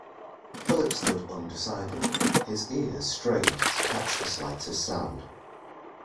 Philip stood undecided, his ears strained to catch the slightest sound.